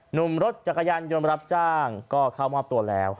หนุ่มรถจักรยานยนต์รับจ้างก็เข้ามอบตัวแล้ว